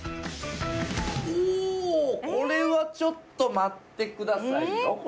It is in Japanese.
これはちょっと待ってくださいよ